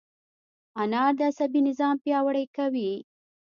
انار د عصبي نظام پیاوړی کوي.